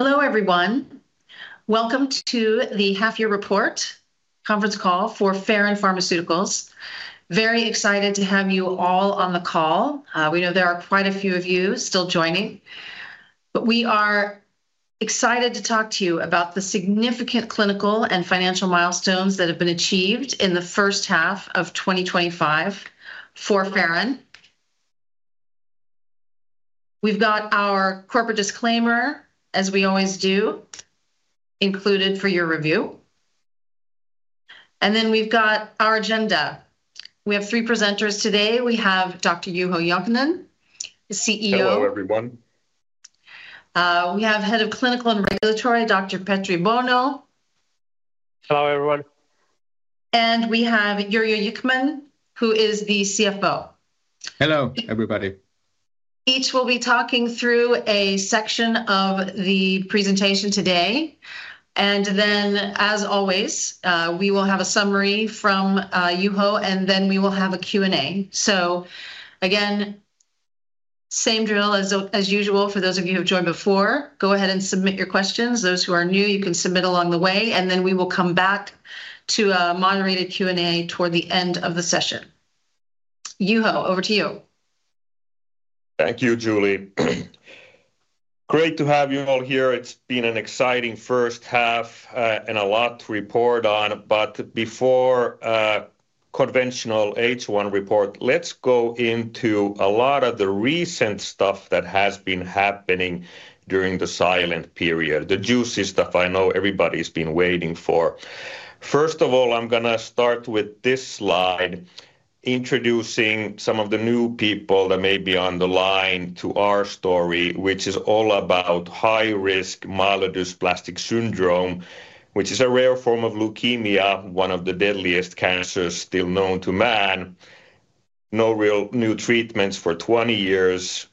Hello, everyone. Welcome to the Half-Year Report Conference Call for Faron Pharmaceuticals. Very excited to have you all on the call. We know there are quite a few of you still joining. We are excited to talk to you about the significant clinical and financial milestones that have been achieved in the first half of 2025 for Faron. We've got our corporate disclaimer, as we always do, included for your review. We've got our agenda. We have three presenters today. We have Dr. Juho Jalkanen, the CEO. Hello, everyone. We have Head of Clinical and Regulatory, Dr. Petri Bono. Hello, everyone. We have Yrjö Wichmann, who is the CFO. Hello, everybody. through that in more detail right here. That's why we also haveThank you, Julie. Great to have you all here. It's been an exciting first half and a lot to report on. Before a conventional H1 report, let's go into a lot of the recent stuff that has been happening during the silent period, the juicy stuff I know everybody's been waiting for. First of all, I'm going to start with this slide introducing some of the new people that may be on the line to our story, which is all about high-risk myelodysplastic syndrome, which is a rare form of leukemia, one of the deadliest cancers still known to man. No real new treatments for 20 years.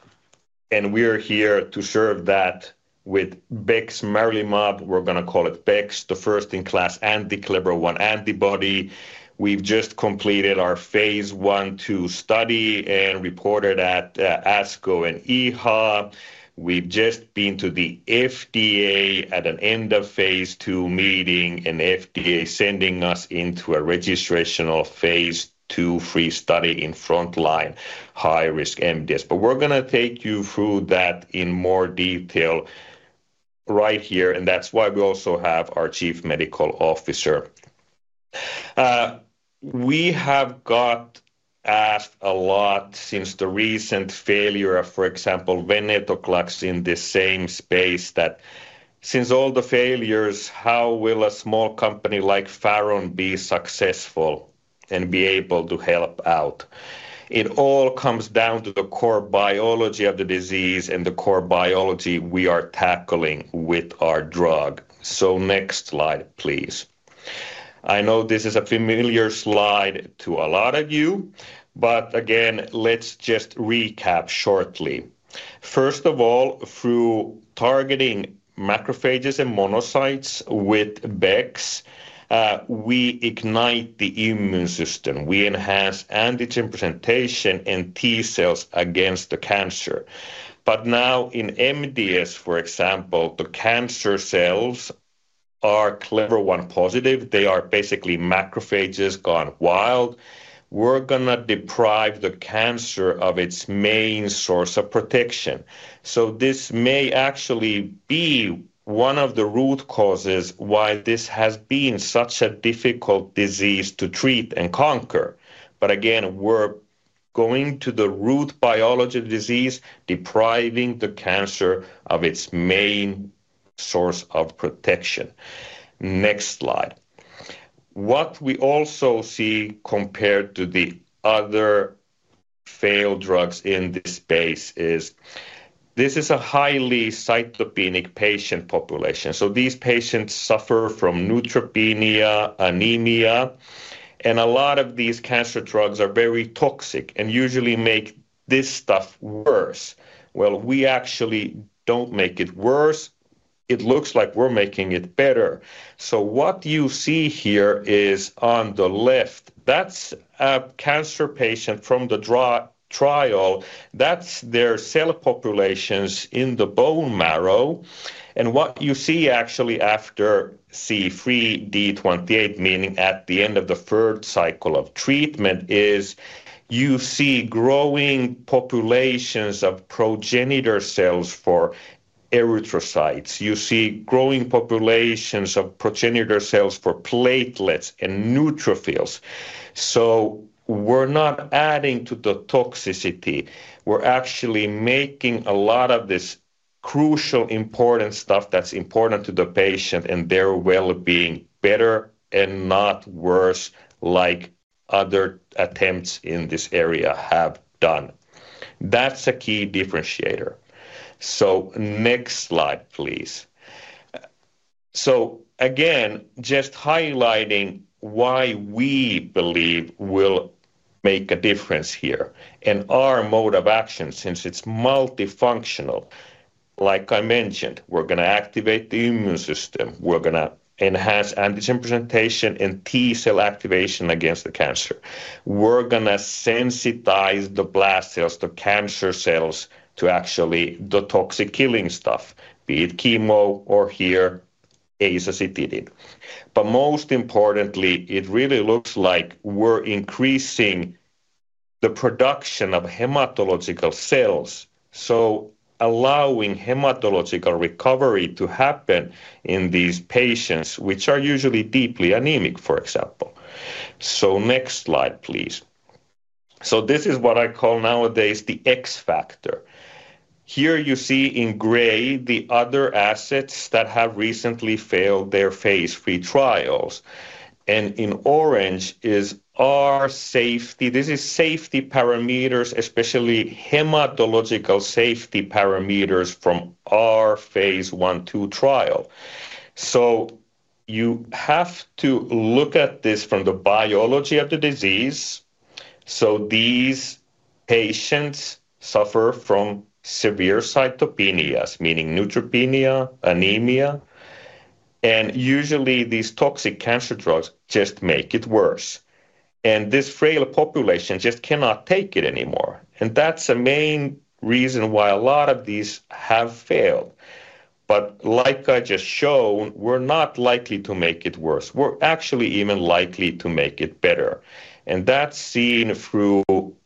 We're here to serve that with bexmarilimab, we're going to call it BEX, the first-in-class anti-CLEVER-1 antibody. We've just completed our phase I/II study and reported at ASCO and EHA. We've just been to the FDA at an end-of-phase II meeting, and FDA is sending us into a registration phase II/III study in frontline, high-risk MDS. We're going to take you through that in more detail right here. That's why we also have our Chief Medical Officer. We've got asked a lot since the recent failure of, for example, venetoclax in the same space that since all the failures, how will a small company like Faron Pharmaceuticals be successful and be able to help out? It all comes down to the core biology of the disease and the core biology we are tackling with our drug. Next slide, please. I know this is a familiar slide to a lot of you. Again, let's just recap shortly. First of all, through targeting macrophages and monocytes with Bex, we ignite the immune system. We enhance antigen presentation and T-cells against the cancer. In MDS, for example, the cancer cells are CLEVER-1 positive. They are basically macrophages gone wild. We're going to deprive the cancer of its main source of protection. This may actually be one of the root causes why this has been such a difficult disease to treat and conquer. Again, we're going to the root biology of the disease, depriving the cancer of its main source of protection. Next slide. What we also see compared to the other failed drugs in this space is this is a highly cytopenic patient population. These patients suffer from neutropenia, anemia, and a lot of these cancer drugs are very toxic and usually make this stuff worse. We actually don't make it worse. It looks like we're making it better. What you see here is on the left, that's a cancer patient from the trial. That's their cell populations in the bone marrow. What you see actually after C3D28, meaning at the end of the third cycle of treatment, is you see growing populations of progenitor cells for erythrocytes. You see growing populations of progenitor cells for platelets and neutrophils. We're not adding to the toxicity. We're actually making a lot of this crucial, important stuff that's important to the patient and their well-being better and not worse like other attempts in this area have done. That's a key differentiator. Next slide, please. Again, just highlighting why we believe we'll make a difference here and our mode of action since it's multifunctional. Like I mentioned, we're going to activate the immune system. We're going to enhance antigen presentation and T cell activation against the cancer. We're going to sensitize the blast cells, the cancer cells, to actually the toxic killing stuff, be it chemo or here azacitidine. Most importantly, it really looks like we're increasing the production of hematological cells, allowing hematological recovery to happen in these patients, which are usually deeply anemic, for example. Next slide, please. This is what I call nowadays the X Factor. Here you see in gray the other assets that have recently failed their phase III trials. In orange is our safety. This is safety parameters, especially hematological safety parameters from our phase I/II trial. You have to look at this from the biology of the disease. These patients suffer from severe cytopenias, meaning neutropenia, anemia. Usually, these toxic cancer drugs just make it worse. This frail population just cannot take it anymore. That's the main reason why a lot of these have failed. Like I just showed, we're not likely to make it worse. We're actually even likely to make it better. That's seen through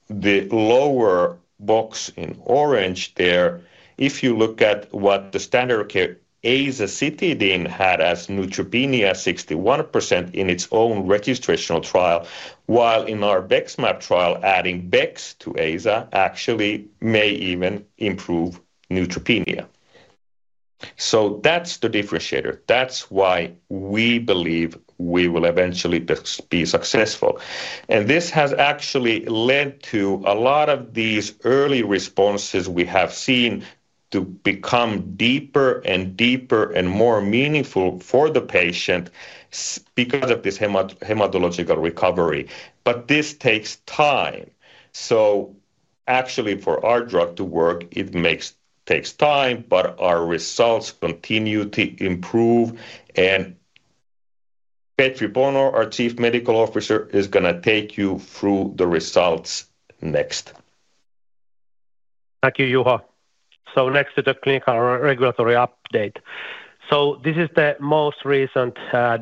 the lower box in orange there. If you look at what the standard care azacitidine had as neutropenia, 61% in its own registrational trial, while in our BEXMAB trial, adding bexmarilimab to AZA actually may even improve neutropenia. That's the differentiator. That's why we believe we will eventually be successful. This has actually led to a lot of these early responses we have seen to become deeper and deeper and more meaningful for the patient because of this hematological recovery. This takes time. For our drug to work, it takes time, but our results continue to improve. Petri Bono, our Chief Medical Officer, is going to take you through the results next. Thank you, Juho. Next, the clinical regulatory update. This is the most recent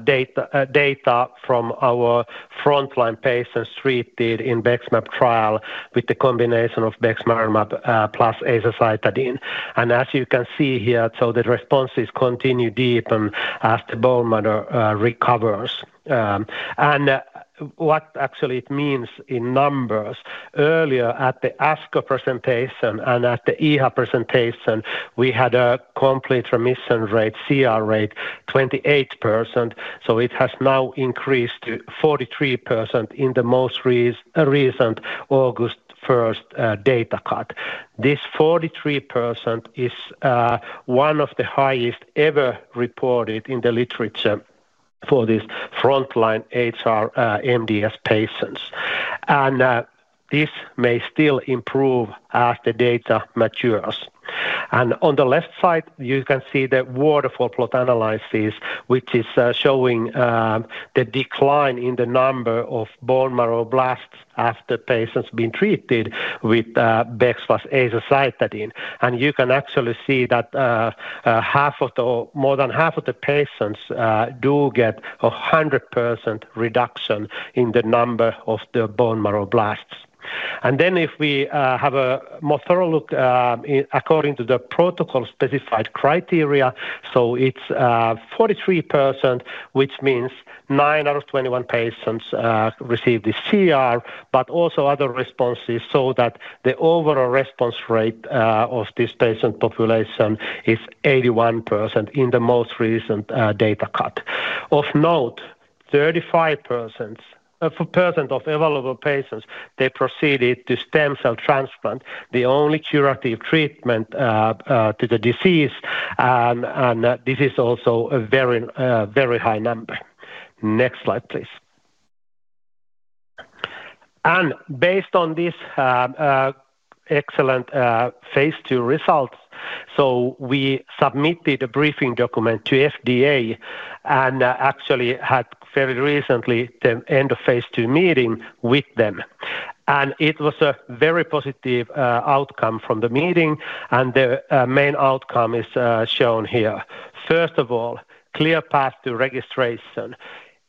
data from our frontline patients treated in the BEXMAB trial with the combination of bexmarilimab plus azacitidine. As you can see here, the responses continue to deepen as the bone marrow recovers. What it actually means in numbers, earlier at the ASCO presentation and at the EHA presentation, we had a complete remission rate, CR rate, of 28%. It has now increased to 43% in the most recent August 1st, data cut. This 43% is one of the highest ever reported in the literature for these frontline high-risk MDS patients. This may still improve as the data matures. On the left side, you can see the waterfall plot analysis, which is showing the decline in the number of bone marrow blasts after patients have been treated with BEX plus azacitidine. You can actually see that more than half of the patients do get a 100% reduction in the number of the bone marrow blasts. If we have a more thorough look according to the protocol-specified criteria, it's 43%, which means 9 out of 21 patients received the CR, but also other responses so that the overall response rate of this patient population is 81% in the most recent data cut. Of note, 35% of evaluable patients proceeded to stem cell transplant, the only curative treatment to the disease. This is also a very, very high number. Next slide, please. Based on these excellent phase II results, we submitted a briefing document to FDA and actually had very recently the end-of-phase II meeting with them. It was a very positive outcome from the meeting. The main outcome is shown here. First of all, clear path to registration.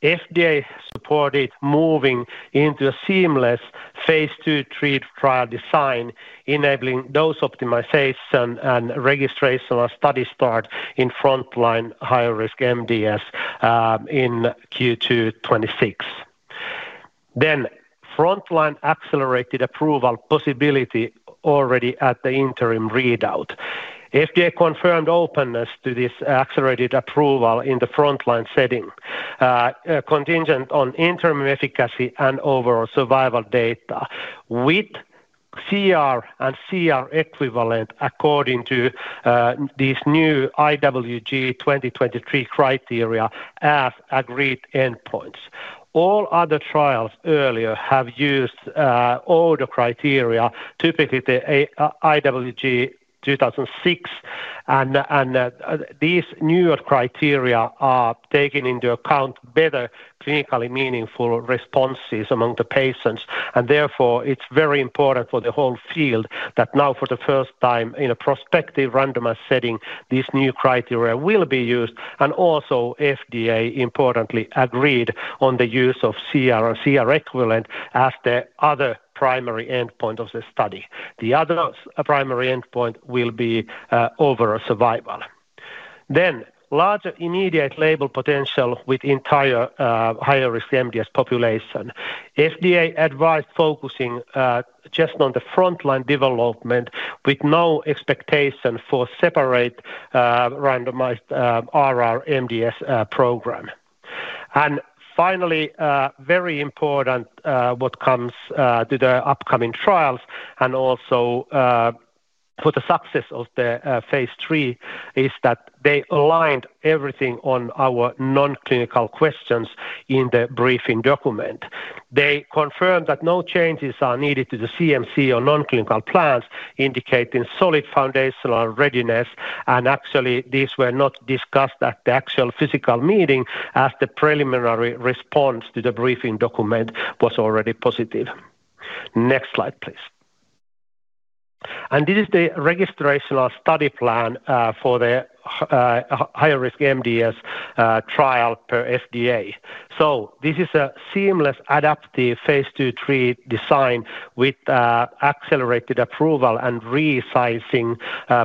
FDA supported moving into a seamless, adaptive phase II/III trial design, enabling dose optimization and registration of study start in frontline high-risk MDS in Q2 2026. Frontline accelerated approval possibility already at the interim readout. FDA confirmed openness to this accelerated approval in the frontline setting, contingent on interim efficacy and overall survival data with CR and CR equivalent according to these new IWG 2023 criteria as agreed endpoints. All other trials earlier have used older criteria, typically the IWG 2006. These newer criteria are taking into account better clinically meaningful responses among the patients. Therefore, it's very important for the whole field that now for the first time in a prospective randomized setting, these new criteria will be used. Also, FDA importantly agreed on the use of CR and CR equivalent as the other primary endpoint of the study. The other primary endpoint will be overall survival. Larger immediate label potential with entire high-risk MDS population. FDA advised focusing just on the frontline development with no expectation for separate randomized RR MDS program. Finally, very important what comes to the upcoming trials and also for the success of the phase three is that they aligned everything on our non-clinical questions in the briefing document. They confirmed that no changes are needed to the CMC or non-clinical plans, indicating solid foundational readiness. Actually, these were not discussed at the actual physical meeting as the preliminary response to the briefing document was already positive. Next slide, please. This is the registration study plan for the high-risk MDS trial per FDA. This is a seamless, adaptive phase 2/3 trial design with accelerated approval and resizing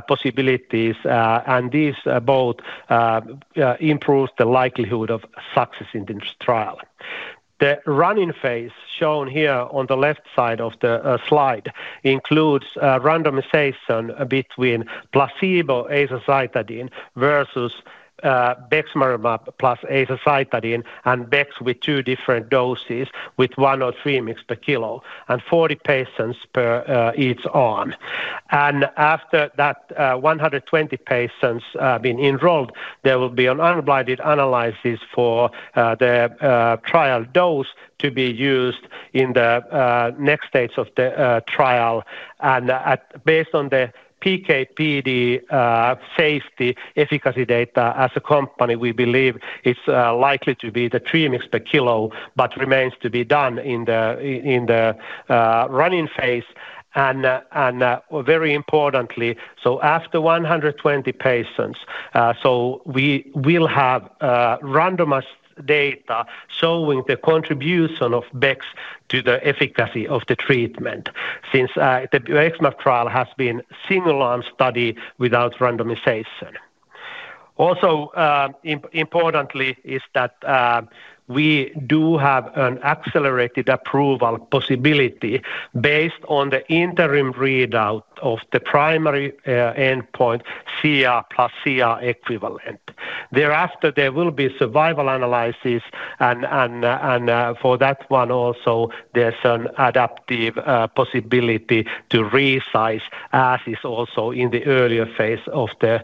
possibilities. These both improve the likelihood of success in this trial. The running phase shown here on the left side of the slide includes randomization between placebo azacitidine versus bexmarilimab plus azacitidine and bexmarilimab with two different doses with 1 mg or 3 mg per Kg and 40 patients per each arm. After 120 patients have been enrolled, there will be an unguided analysis for the trial dose to be used in the next stage of the trial. Based on the PK/PD safety efficacy data as a company, we believe it's likely to be the three mg per kilo, but remains to be done in the running phase. Very importantly, after 120 patients, we will have randomized data showing the contribution of bexmarilimab to the efficacy of the treatment since the BEXMAB trial has been a single-arm study without randomization. Also, importantly is that we do have an accelerated approval possibility based on the interim readout of the primary endpoint CR plus CR equivalent. Thereafter, there will be survival analysis. For that one also, there's an adaptive possibility to resize as is also in the earlier phase of the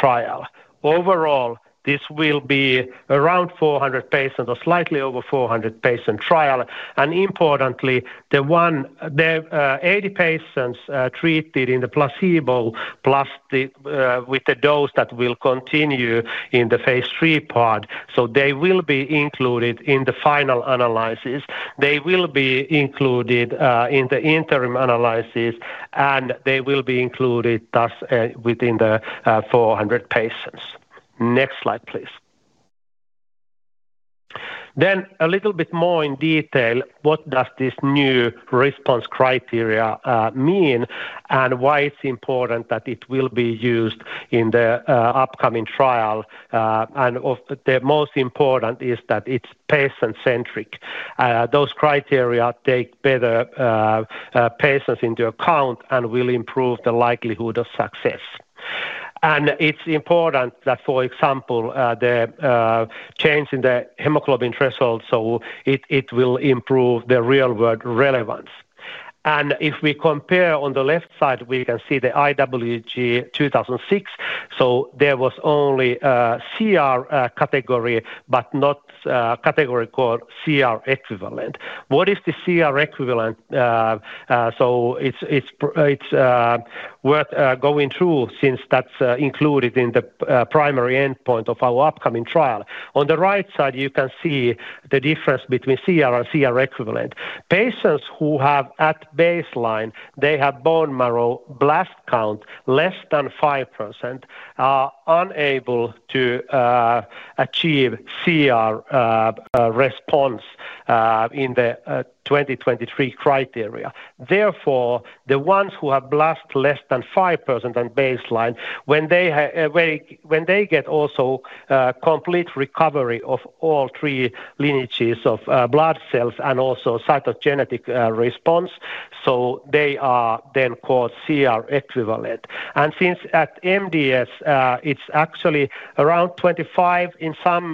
trial. Overall, this will be around 400 patients or slightly over 400 patient trial. Importantly, the 80 patients treated in the placebo plus with the dose that will continue in the phase III pod will be included in the final analysis. They will be included in the interim analysis, and they will be included within the 400 patients. Next slide, please. A little bit more in detail, what does this new response criteria mean and why it's important that it will be used in the upcoming trial? The most important is that it's patient-centric. Those criteria take better patients into account and will improve the likelihood of success. It's important that, for example, the change in the hemoglobin threshold will improve the real-world relevance. If we compare on the left side, we can see the IWG 2006. There was only a CR category, but not a category called CR equivalent. What is the CR equivalent? It's worth going through since that's included in the primary endpoint of our upcoming trial. On the right side, you can see the difference between CR and CR equivalent. Patients who have at baseline, they have bone marrow blast count less than 5%, are unable to achieve CR response in the 2023 criteria. Therefore, the ones who have blast less than 5% on baseline, when they get also complete recovery of all three lineages of blood cells and also cytogenetic response, they are then called CR equivalent. Since at MDS, it's actually around 25%, in some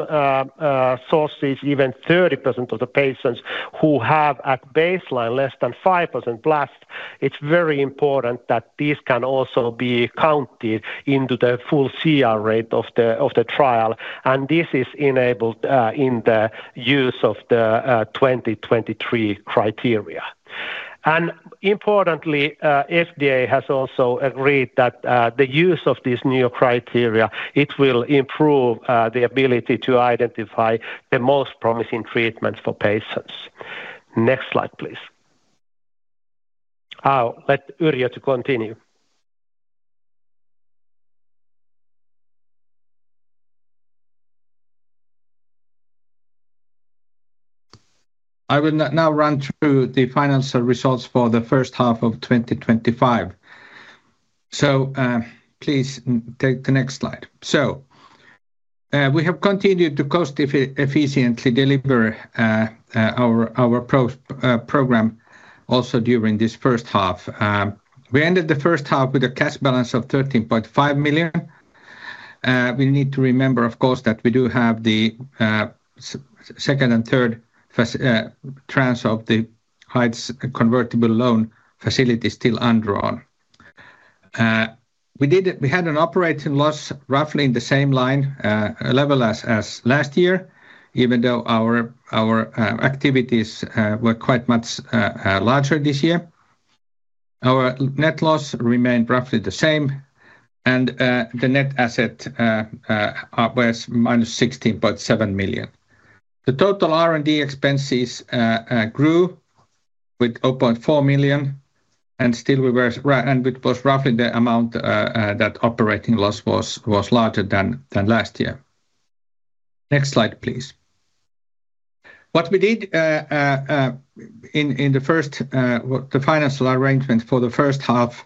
sources even 30% of the patients who have at baseline less than 5% blast, it's very important that these can also be counted into the full CR rate of the trial. This is enabled in the use of the 2023 criteria. Importantly, the FDA has also agreed that the use of these new criteria will improve the ability to identify the most promising treatments for patients. Next slide, please. Let Yrjö continue. I will now run through the final results for the first half of 2025. Please take the next slide. We have continued to cost-efficiently deliver our program also during this first half. We ended the first half with a cash balance of 13.5 million. We need to remember, of course, that we do have the second and third tranche of the height convertible loan facility still undrawn. We had an operating loss roughly in the same level as last year, even though our activities were quite much larger this year. Our net loss remained roughly the same, and the net asset was minus 16.7 million. The total R&D expenses grew by 0.4 million, and it was roughly the amount that operating loss was larger than last year. Next slide, please. What we did in the first financial arrangements for the first half,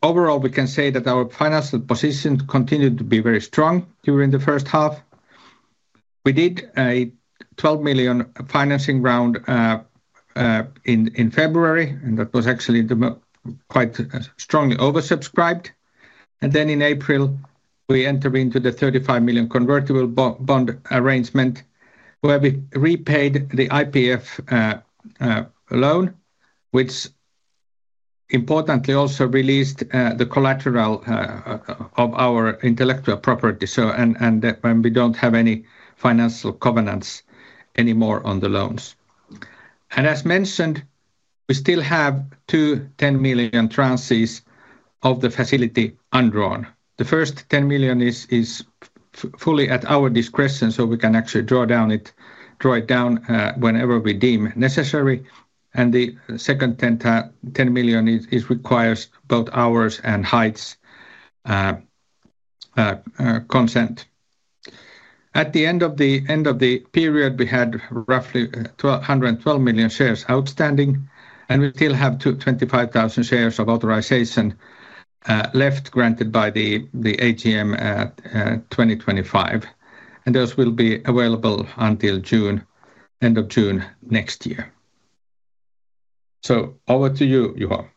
overall, we can say that our financial position continued to be very strong during the first half. We did a 12 million financing round in February, and that was actually quite strongly oversubscribed. In April, we entered into the 35 million convertible bond arrangement where we repaid the IPF loan, which importantly also released the collateral of our intellectual property. That means we don't have any financial covenants anymore on the loans. As mentioned, we still have two 10 million tranches of the facility undrawn. The first 10 million is fully at our discretion, so we can actually draw it down whenever we deem necessary. The second 10 million requires both ours and [Heights'] consent. At the end of the period, we had roughly 112 million shares outstanding, and we still have 25,000 shares of authorization left granted by the AGM 2025. Those will be available until the end of June next year. Over to you, Juho.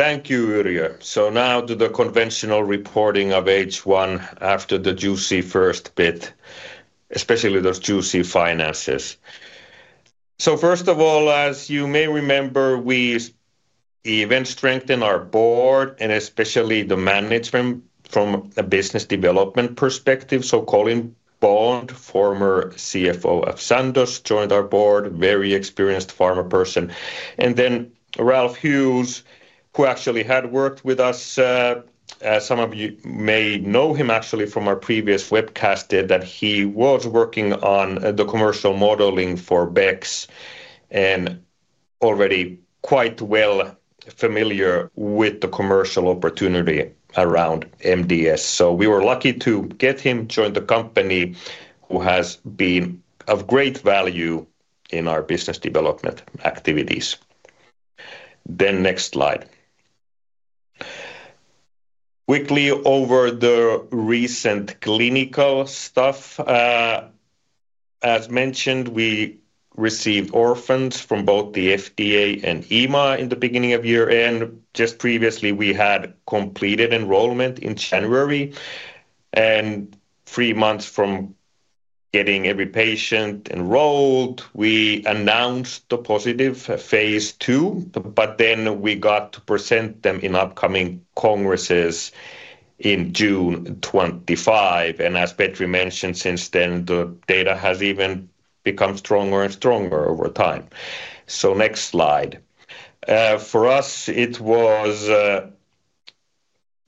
Thank you, Yrjö. Now to the conventional reporting of H1 after the juicy first bit, especially those juicy finances. First of all, as you may remember, we've even strengthened our board and especially the management from a business development perspective. Colin Bond, former CFO of Sandoz, joined our board, a very experienced pharma person. Ralph Hughes, who actually had worked with us, some of you may know him from our previous webcast, was working on the commercial modeling for BEX and already quite well familiar with the commercial opportunity around MDS. We were lucky to get him to join the company, who has been of great value in our business development activities. Next slide. Quickly over the recent clinical stuff. As mentioned, we received orphans from both the FDA and EMA in the beginning of year-end. Just previously, we had completed enrollment in January. Three months from getting every patient enrolled, we announced the positive phase II, but we got to present them in upcoming congresses in June 2025. As Petri mentioned, since then, the data has even become stronger and stronger over time. Next slide. For us, it was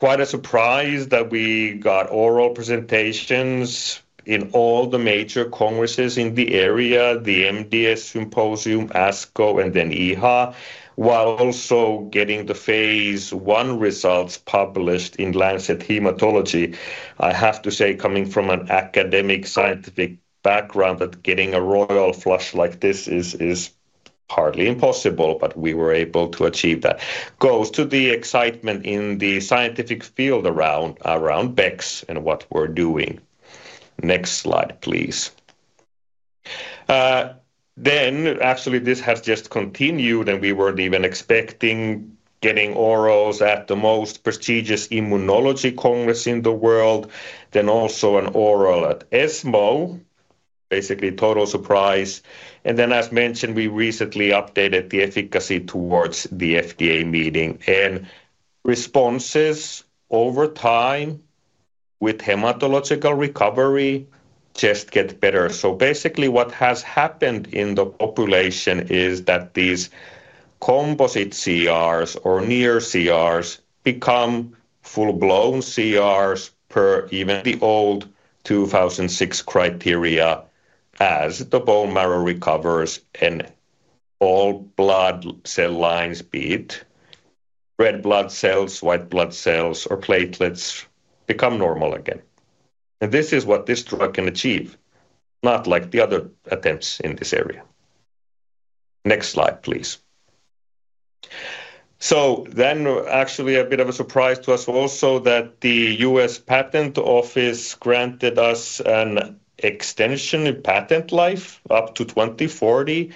quite a surprise that we got oral presentations in all the major congresses in the area, the MDS symposium, ASCO, and EHA, while also getting the phase I results published in Lancet Hematology. I have to say, coming from an academic scientific background, that getting a royal flush like this is hardly impossible, but we were able to achieve that. Goes to the excitement in the scientific field around BEX and what we're doing. Next slide, please. This has just continued, and we weren't even expecting getting orals at the most prestigious immunology congress in the world. Also an oral at ESMO. Basically, total surprise. As mentioned, we recently updated the efficacy towards the FDA meeting. Responses over time with hematological recovery just get better. What has happened in the population is that these composite CRs or near CRs become full-blown CRs per even the old 2006 criteria as the bone marrow recovers and all blood cell lines, be it red blood cells, white blood cells, or platelets, become normal again. This is what this drug can achieve, not like the other attempts in this area. Next slide, please. Actually, a bit of a surprise to us also that the U.S. Patent Office granted us an extension in patent life up to 2040.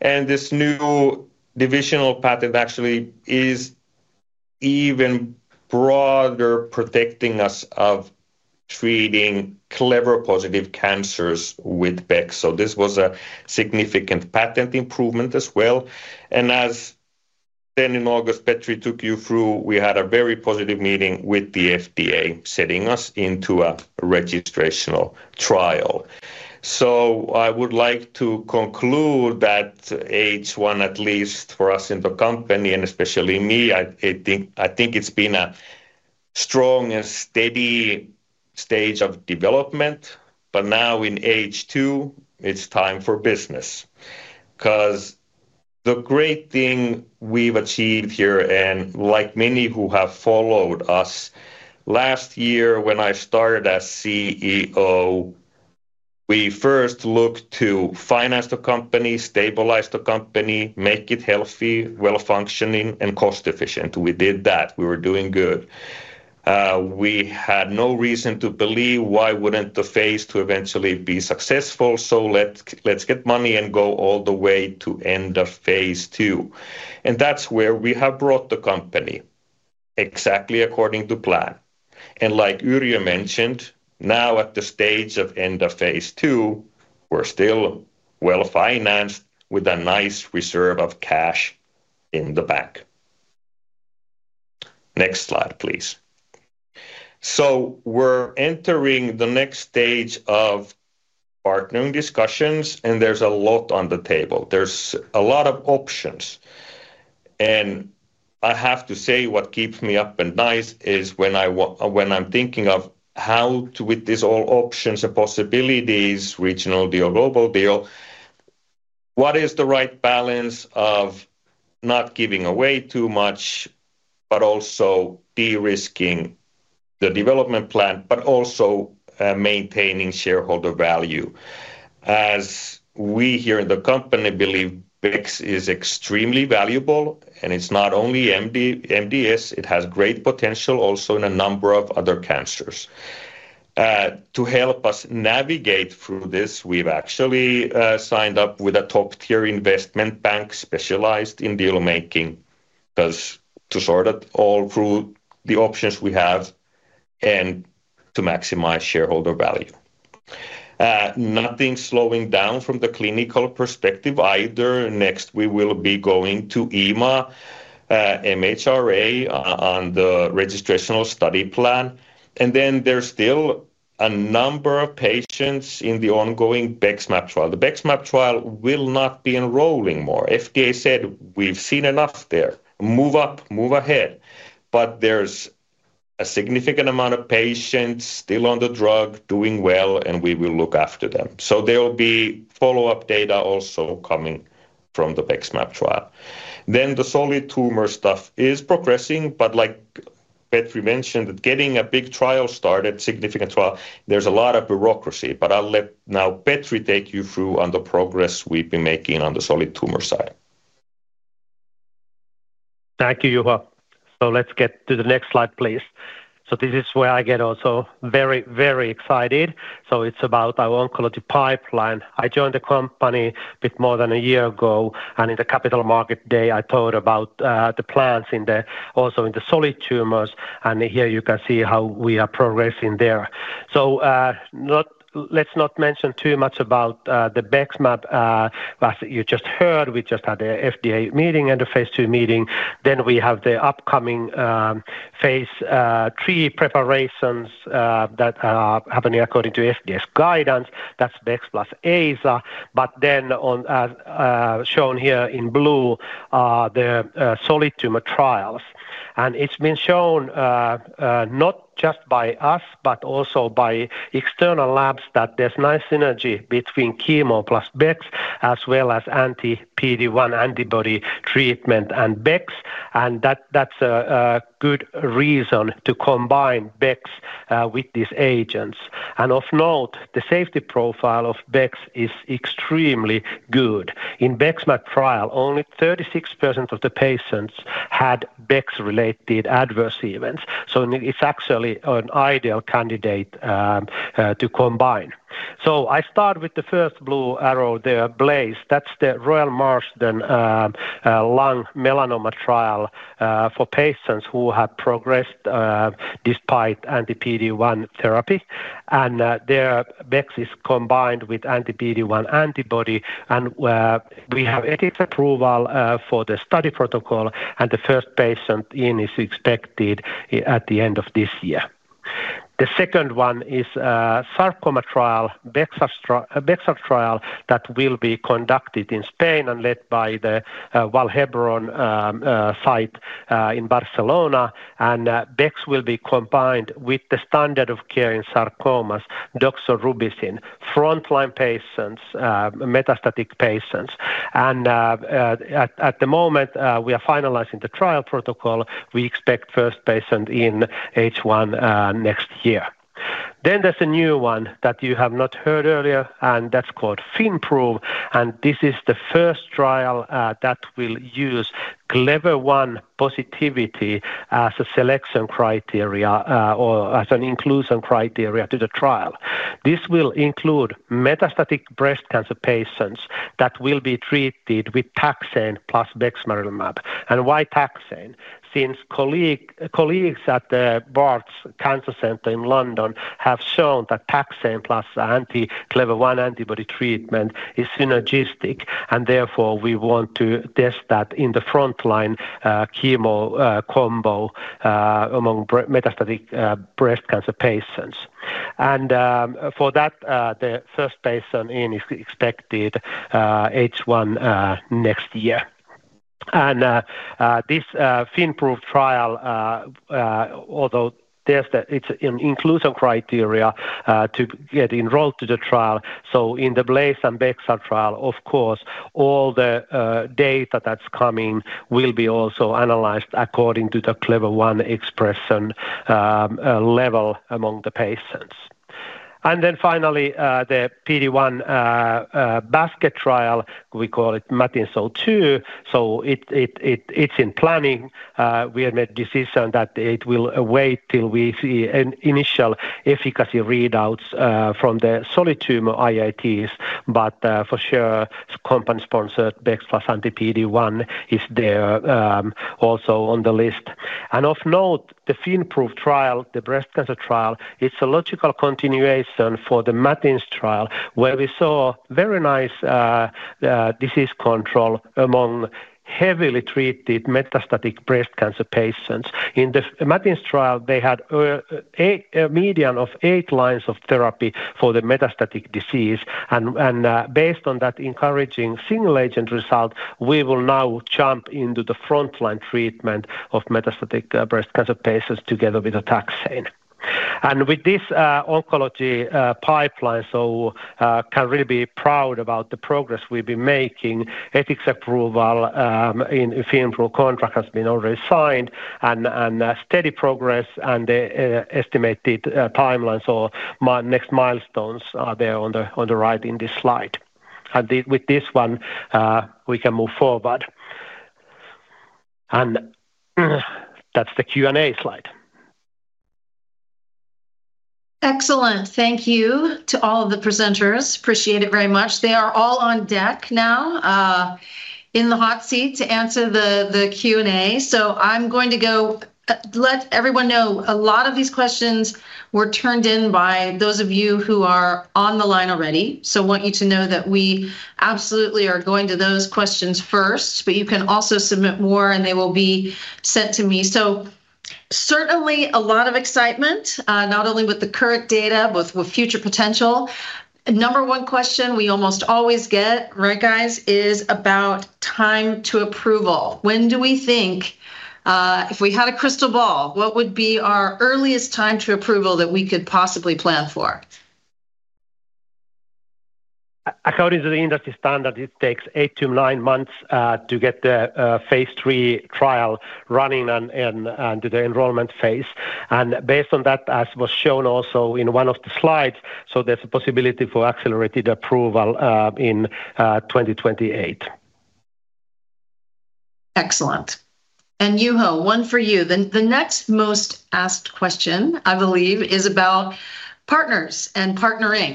This new divisional patent actually is even broader, protecting us for treating Clever-1 positive cancers with BEX. This was a significant patent improvement as well. As in August, Petri took you through, we had a very positive meeting with the FDA setting us into a registrational trial. I would like to conclude that H1, at least for us in the company and especially me, I think it's been a strong and steady stage of development. Now in H2, it's time for business. The great thing we've achieved here, and like many who have followed us, last year when I started as CEO, we first looked to finance the company, stabilize the company, make it healthy, well-functioning, and cost-efficient. We did that. We were doing good. We had no reason to believe why wouldn't the phase II eventually be successful. Let's get money and go all the way to end of phase II. That's where we have brought the company exactly according to plan. Like Yrjö mentioned, now at the stage of end of phase II, we're still well financed with a nice reserve of cash in the bank. Next slide, please. We're entering the next stage of partnering discussions, and there's a lot on the table. There's a lot of options. I have to say what keeps me up at night is when I'm thinking of how to, with these all options and possibilities, regional deal, global deal, what is the right balance of not giving away too much, but also de-risking the development plan, but also maintaining shareholder value. As we here in the company believe, BEX is extremely valuable, and it's not only MDS. It has great potential also in a number of other cancers. To help us navigate through this, we've actually signed up with a top-tier investment bank specialized in deal-making to sort it all through the options we have and to maximize shareholder value. Nothing slowing down from the clinical perspective either. Next, we will be going to EMA, MHRA, on the registrational study plan. There's still a number of patients in the ongoing BEXMAB trial. The BEXMAB trial will not be enrolling more. FDA said we've seen enough there. Move up, move ahead. There's a significant amount of patients still on the drug doing well, and we will look after them. There will be follow-up data also coming from the BEXMAB trial. The solid tumor stuff is progressing, like Petri mentioned, getting a big trial started, significant trial, there's a lot of bureaucracy. I'll let now Petri take you through on the progress we've been making on the solid tumor side. Thank you, Juho. Let's get to the next slide, please. This is where I get also very, very excited. It's about our oncology pipeline. I joined the company a bit more than a year ago. In the Capital Market Day, I told about the plans also in the solid tumors. Here you can see how we are progressing there. Let's not mention too much about the BEXMAB. As you just heard, we just had the FDA meeting and the phase II meeting. We have the upcoming phase III preparations that are happening according to FDA's guidance. That's BEX plus AZA. Shown here in blue are the solid tumor trials. It's been shown not just by us, but also by external labs that there's nice synergy between chemo plus BEX, as well as anti-PD-1 antibody treatment and BEX. That's a good reason to combine BEX with these agents. Of note, the safety profile of BECS is extremely good. In BEXMAB trial, only 36% of the patients had BEX-related adverse events. It's actually an ideal candidate to combine. I start with the first blue arrow there, BLAZE. That's the Royal Marsden lung melanoma trial for patients who have progressed despite anti-PD-1 therapy. There BEX is combined with anti-PD-1 antibody. We have edited approval for the study protocol. The first patient in is expected at the end of this year. The second one is a sarcoma trial, BEX trial that will be conducted in Spain and led by the Vall d'Hebron site in Barcelona. BEX will be combined with the standard of care in sarcomas, doxorubicin, frontline patients, metastatic patients. At the moment, we are finalizing the trial protocol. We expect first patient in H1 next year. There's a new one that you have not heard earlier, and that' called FINPROVE. This is the first trial that will use CLEVER-1 positivity as a selection criteria or as an inclusion criteria to the trial. This will include metastatic breast cancer patients that will be treated with taxane plus bexmarilimab. Why taxane? Since colleagues at the Barts Cancer Center in London have shown that taxane plus anti-CLEVER-1 antibody treatment is synergistic. Therefore, we want to test that in the frontline chemo combo among metastatic breast cancer patients. For that, the first patient in is expected H1 next year. This FINPROVE trial, although it's an inclusion criteria to get enrolled to the trial. In the BLAZE and BEX trial, all the data that's coming will be also analyzed according to the CLEVER-1 expression level among the patients. Finally, the PD-1 basket trial, `we call it MATINS-02, is in planning. We have made a decision that it will wait till we see initial efficacy readouts from the solid tumor IITs. For sure, company-sponsored BEX plus anti-PD-1 is there also on the list. Of note, the FINPROVE trial, the breast cancer trial, is a logical continuation for the MATINS trial where we saw very nice disease control among heavily treated metastatic breast cancer patients. In the MATINS trial, they had a median of eight lines of therapy for the metastatic disease. Based on that encouraging single-agent result, we will now jump into the frontline treatment of metastatic breast cancer patients together with the taxane. With this oncology pipeline, we can really be proud about the progress we've been making. Ethics approval in FINPROVE contract has been already signed and steady progress and the estimated timeline. My next milestones are there on the right in this slide. With this one, we can move forward. That's the Q&A slide. Excellent. Thank you to all of the presenters. Appreciate it very much. They are all on deck now in the hot seat to answer the Q&A. I'm going to let everyone know a lot of these questions were turned in by those of you who are on the line already. I want you to know that we absolutely are going to those questions first, but you can also submit more and they will be sent to me. Certainly a lot of excitement, not only with the current data, but with future potential. Number one question we almost always get, right guys, is about time to approval. When do we think, if we had a crystal ball, what would be our earliest time to approval that we could possibly plan for? According to the industry standard, it takes 8 months-9 months to get the phase III trial running and do the enrollment phase. Based on that, as was shown also in one of the slides, there's a possibility for accelerated approval in 2028. Excellent. Juho, one for you. The next most asked question, I believe, is about partners and partnering.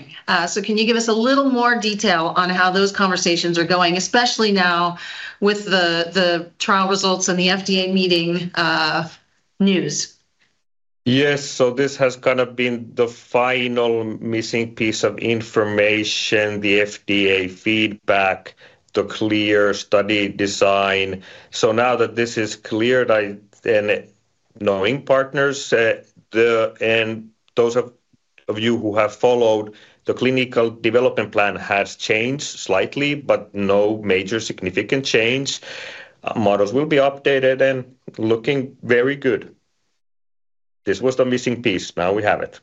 Can you give us a little more detail on how those conversations are going, especially now with the trial results and the FDA meeting news? Yes. This has kind of been the final missing piece of information, the FDA feedback, the clear study design. Now that this is cleared and knowing partners, and those of you who have followed, the clinical development plan has changed slightly, but no major significant change. Models will be updated and looking very good. This was the missing piece. Now we have it.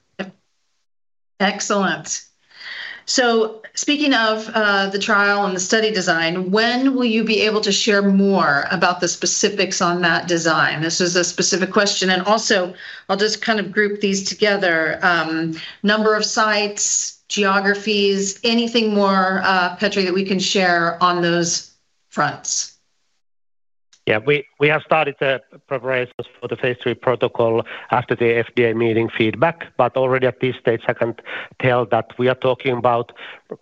Excellent. Speaking of the trial and the study design, when will you be able to share more about the specifics on that design? This is a specific question. I'll just kind of group these together. Number of sites, geographies, anything more, Petri, that we can share on those fronts? Yeah, we have started the preparations for the phase II protocol after the FDA meeting feedback. Already at this stage, I can tell that we are talking about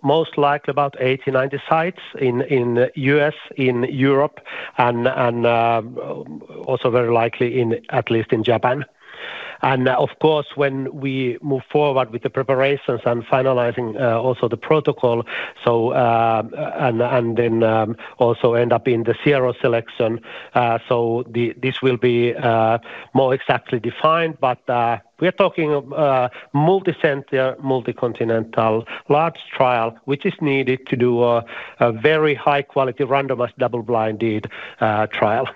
most likely about 80, 90 sites in the U.S., in Europe, and also very likely at least in Japan. Of course, when we move forward with the preparations and finalizing also the protocol, and then also end up in the CRO selection, this will be more exactly defined. We are talking multicenter, multicontinental, large trial, which is needed to do a very high-quality randomized double-blinded trial.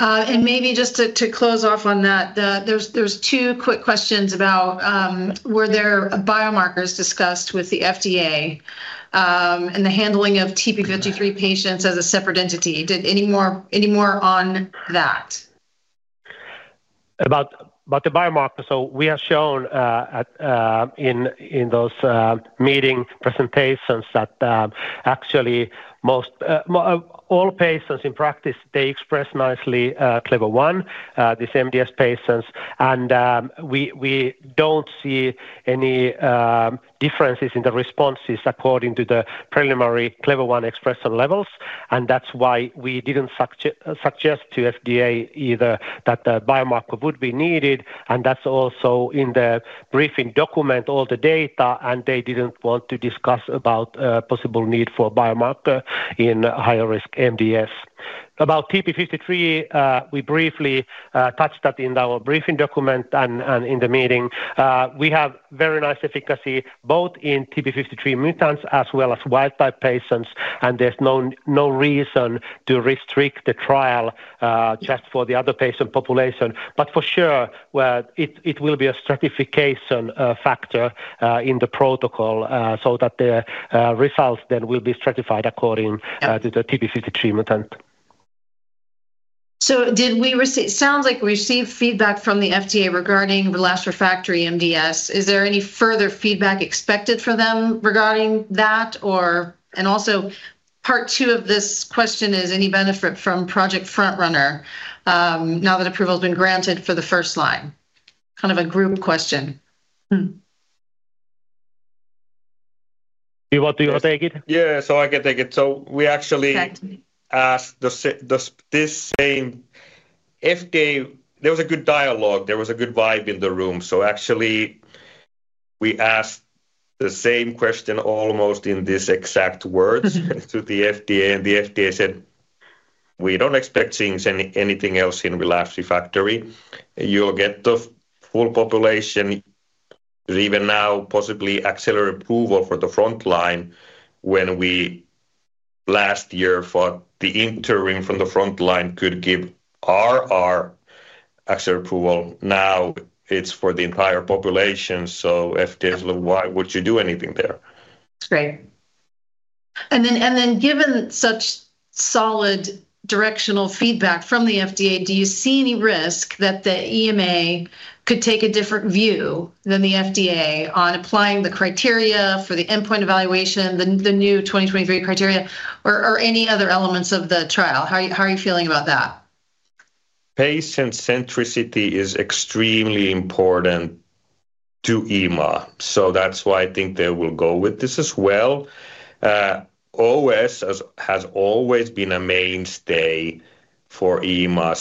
Maybe just to close off on that, there's two quick questions about were there biomarkers discussed with the FDA and the handling of TP53 patients as a separate entity. Any more on that? About the biomarker, we are shown in those meeting presentations that actually most all patients in practice, they express nicely CLEVER-1, these MDS patients. We don't see any differences in the responses according to the preliminary CLEVER-1 expression levels. That's why we didn't suggest to the FDA either that the biomarker would be needed. That's also in the briefing document, all the data, and they didn't want to discuss the possible need for a biomarker in higher risk MDS. About TP53, we briefly touched that in our briefing document and in the meeting. We have very nice efficacy both in TP53 mutants as well as wild type patients. There's no reason to restrict the trial just for the other patient population. For sure, it will be a stratification factor in the protocol so that the results then will be stratified according to the TP53 mutant. Did we receive, it sounds like we received feedback from the FDA regarding the last refractory MDS. Is there any further feedback expected from them regarding that? Also, part two of this question is any benefit from project frontrunner now that approval has been granted for the first line? Kind of a group question. Juho, do you want to take it? Yeah, I can take it. We actually asked this same FDA. There was a good dialogue. There was a good vibe in the room. We asked the same question almost in these exact words to the FDA, and the FDA said, we don't expect to change anything else in the last refractory. You'll get the full population. Even now, possibly accelerated approval for the frontline when we last year thought the interim from the frontline could give RR actual approval. Now it's for the entire population. The FDA said, why would you do anything there? That's great. Given such solid directional feedback from the FDA, do you see any risk that the EMA could take a different view than the FDA on applying the criteria for the endpoint evaluation, the new 2023 criteria, or any other elements of the trial? How are you feeling about that? Patient centricity is extremely important to EMA. That's why I think they will go with this as well. OS has always been a mainstay for EMA.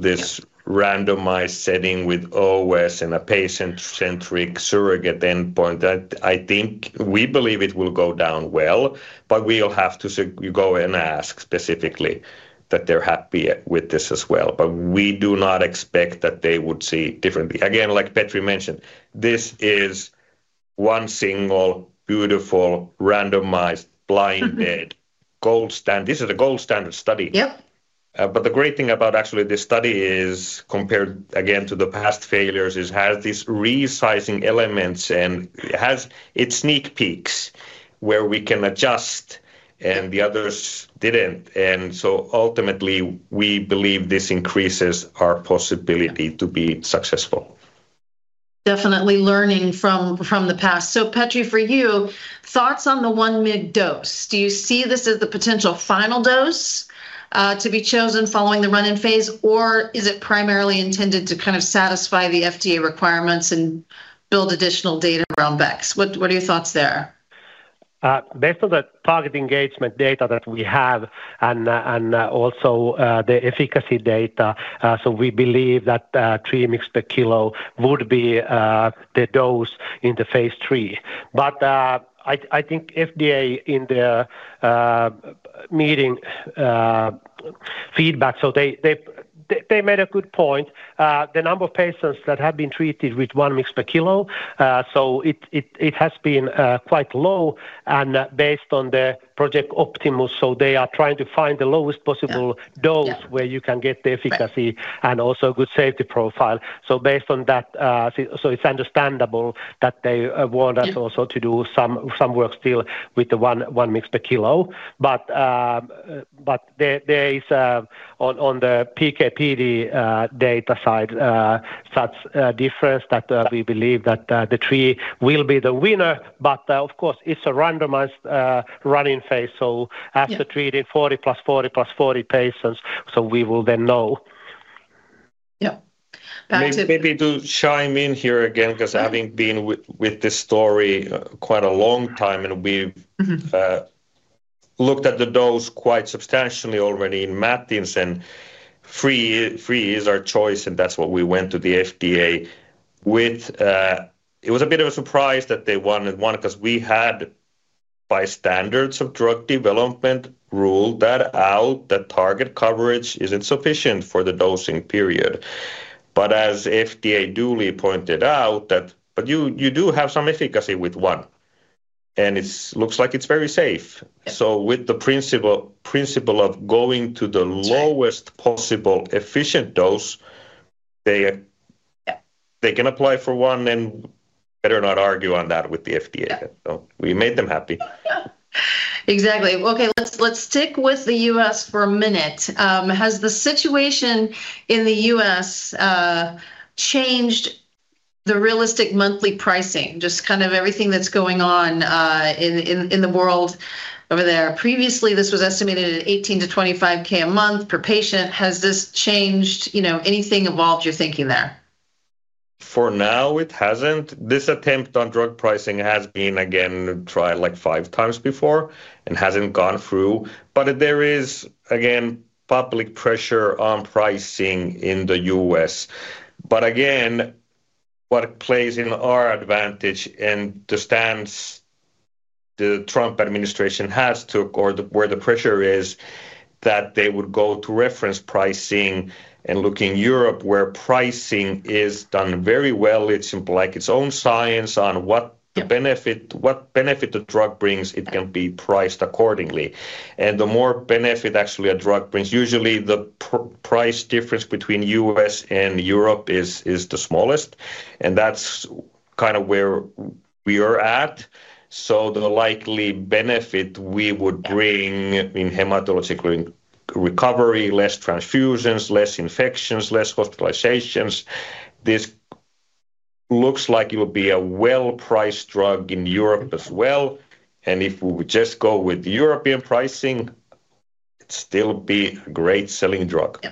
This randomized setting with OS and a patient-centric surrogate endpoint, I think we believe it will go down well. We will have to go and ask specifically that they're happy with this as well. We do not expect that they would see differently. Again, like Petri mentioned, this is one single beautiful randomized blinded gold standard. This is a gold standard study. The great thing about actually this study compared again to the past failures is it has these resizing elements and has its sneak peeks where we can adjust and the others didn't. Ultimately, we believe this increases our possibility to be successful. Definitely learning from the past. Petri, for you, thoughts on the 1 mg dose? Do you see this as the potential final dose to be chosen following the run-in phase, or is it primarily intended to kind of satisfy the FDA requirements and build additional data around BEX? What are your thoughts there? Based on the target engagement data that we have and also the efficacy data, we believe that 3 mg per Kg would be the dose in the phase II. I think FDA in their meeting feedback made a good point. The number of patients that have been treated with 1 mg per Kg. It has ben quite low. Based on Project Optimus, they are trying to find the lowest possible dose where you can get the efficacy and also a good safety profile. Based on that, it's understandable that they want us also to do some work still with the 1 mg per Kg. There is on the PK/PD data side such a difference that we believe that the 3 will be the winner. Of course, it's a randomized run-in phase. After treating 40 patients + 40 patients + 40 patients, we will then know. Yeah. Maybe to chime in here again, because having been with this story quite a long time, and we've looked at the dose quite substantially already in MATINSON. Three is our choice, and that's what we went to the FDA with. It was a bit of a surprise that they wanted one, because we had, by standards of drug development, ruled that out, that target coverage isn't sufficient for the dosing period. As the FDA duly pointed out, you do have some efficacy with one, and it looks like it's very safe. With the principle of going to the lowest possible efficient dose, they can apply for one, and better not argue on that with the FDA. We made them happy. Exactly. Okay, let's stick with the U.S. for a minute. Has the situation in the U.S. changed the realistic monthly pricing, just kind of everything that's going on in the world over there? Previously, this was estimated at 18,000-25,000 a month per patient. Has this changed? You know, anything evolved your thinking there? For now, it hasn't. This attempt on drug pricing has been, again, tried like five times before and hasn't gone through. There is, again, public pressure on pricing in the U.S. What plays in our advantage and the stance the Trump administration has took, or where the pressure is, is that they would go to reference pricing. Looking in Europe, where pricing is done very well, it's like its own science on what the benefit the drug brings, it can be priced accordingly. The more benefit actually a drug brings, usually the price difference between the U.S. and Europe is the smallest. That's kind of where we are at. The likely benefit we would bring in hematological recovery, less transfusions, less infections, less hospitalizations, this looks like it will be a well-priced drug in Europe as well. If we would just go with European pricing, it'd still be a great selling drug.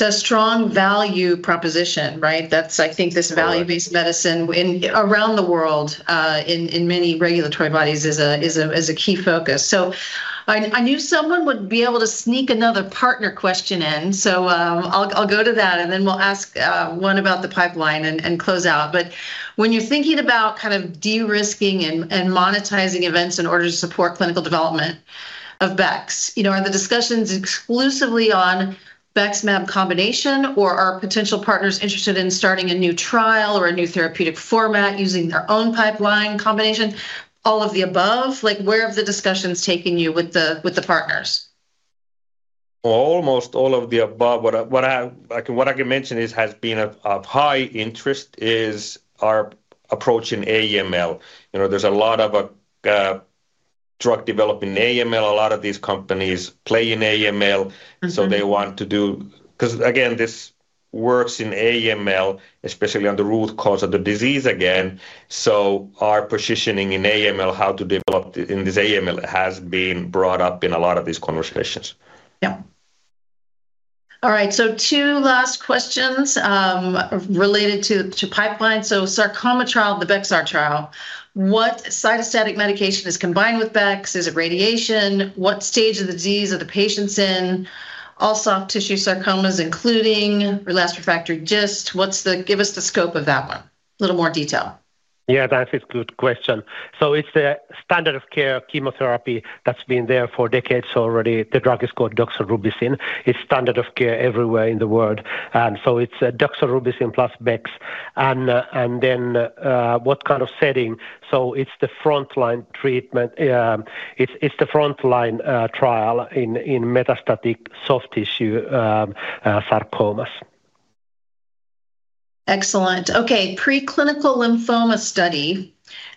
Yeah. A strong value proposition, right? That's, I think, this value-based medicine around the world in many regulatory bodies is a key focus. I knew someone would be able to sneak another partner question in. I'll go to that, and then we'll ask one about the pipeline and close out. When you're thinking about kind of de-risking and monetizing events in order to support clinical development of BEX, are the discussions exclusively on BEXMAB combination, or are potential partners interested in starting a new trial or a new therapeutic format using their own pipeline combination? All of the above? Where have the discussions taken you with the partners? Almost all of the above. What I can mention is, has been of high interest, is our approach in AML. You know, there's a lot of drug development in AML. A lot of these companies play in AML. They want to do, because again, this works in AML, especially on the root cause of the disease again. Our positioning in AML, how to develop in this AML, has been brought up in a lot of these conversations. All right. Two last questions related to pipeline. Sarcoma trial, the BEXMAB trial, what cytostatic medication is combined with BEX? Is it radiation? What stage of the disease are the patients in? All soft tissue sarcomas, including relapsed/refractory GIST. Give us the scope of that one. A little more detail. That's a good question. It's the standard of care chemotherapy that's been there for decades already. The drug is called doxorubicin. It's standard of care everywhere in the world. It's doxorubicin plus BEX. In terms of setting, it's the frontline treatment. It's the frontline trial in metastatic soft tissue sarcomas. Excellent. Okay. Preclinical lymphoma study.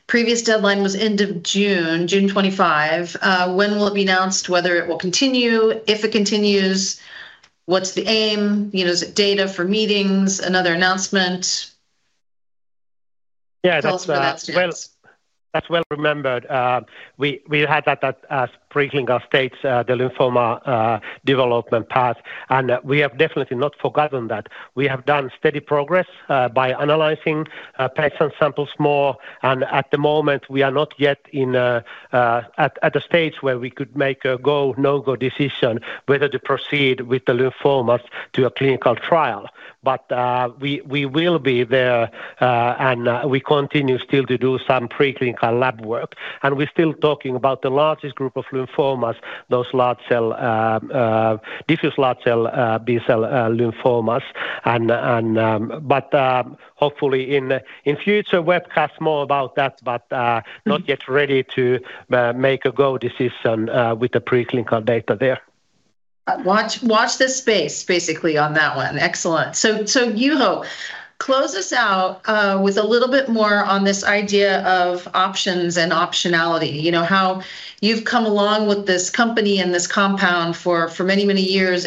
Previous deadline was end of June, June 25. When will it be announced? Whether it will continue? If it continues, what's the aim? Is it data for meetings? Another announcement? Yeah, that's well remembered. We had that preclinical stage, the lymphoma development path. We have definitely not forgotten that. We have done steady progress by analyzing patient samples more. At the moment, we are not yet at the stage where we could make a go/no-go decision whether to proceed with the lymphomas to a clinical trial. We will be there. We continue still to do some preclinical lab work. We're still talking about the largest group of lymphomas, those large cell diffuse large cell B-cell lymphomas. Hopefully, in future webcasts, more about that, but not yet ready to make a go decision with the preclinical data there. Watch the space basically on that one. Excellent. Juho, close us out with a little bit more on this idea of options and optionality. You know how you've come along with this company and this compound for many, many years.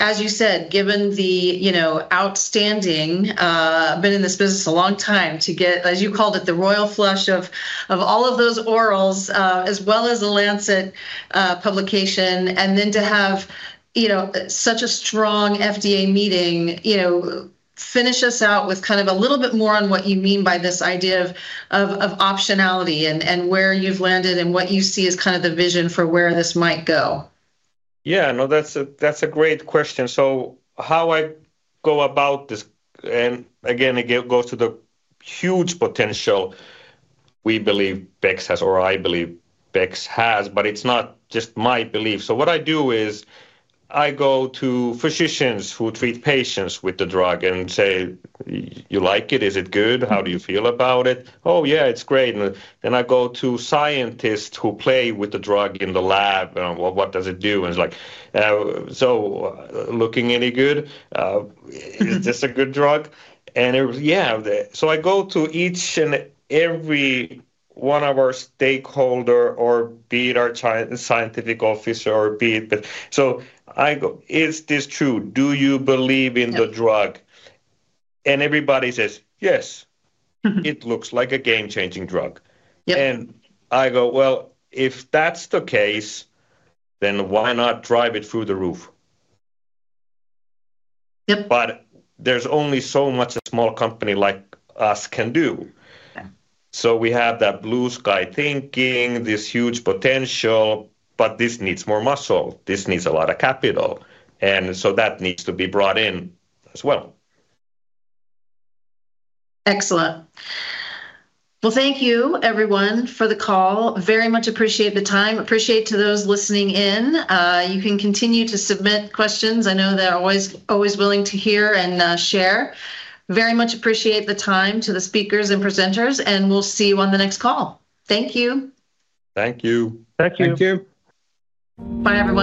As you said, given the outstanding, I've been in this business a long time to get, as you called it, the royal flush of all of those orals, as well as the Lancet publication. To have such a strong FDA meeting, finish us out with kind of a little bit more on what you mean by this idea of optionality and where you've landed and what you see as kind of the vision for where this might go. Yeah, no, that's a great question. How I go about this, and again, it goes to the huge potential we believe BEX has, or I believe BEXhas, but it's not just my belief. I go to physicians who treat patients with the drug and say, you like it? Is it good? How do you feel about it? Oh, yeah, it's great. I go to scientists who play with the drug in the lab. What does it do? Is it looking any good? Is this a good drug? I go to each and every one of our stakeholders, or be it our scientific officer, or be it, is this true? Do you believe in the drug? Everybody says, yes, it looks like a game-changing drug. I go, if that's the case, then why not drive it through the roof? There's only so much a small company like us can do. We have that blue sky thinking, this huge potential, but this needs more muscle. This needs a lot of capital, and that needs to be brought in as well. Excellent. Thank you, everyone, for the call. Very much appreciate the time. Appreciate those listening in. You can continue to submit questions. I know they're always willing to hear and share. Very much appreciate the time to the speakers and presenters. We'll see you on the next call. Thank you. Thank you. Thank you. Thank you. Bye, everyone.